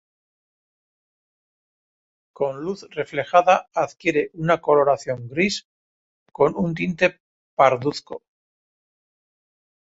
Con luz reflejada adquiere una coloración gris con un tinte parduzco.